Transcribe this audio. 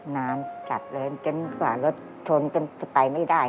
นานจัดเลยจนกว่ารถชนกันไปไม่ได้